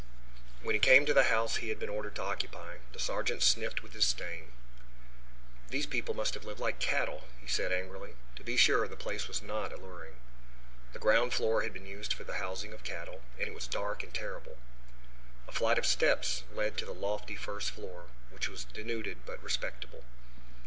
When he came to the house he had been ordered to occupy the sergeant sniffed with disdain. "These people must have lived like cattle," he said angrily. To be sure, the place was not alluring. The ground floor had been used for the housing of cattle, and it was dark and terrible. A flight of steps led to the lofty first floor, which was denuded but respectable.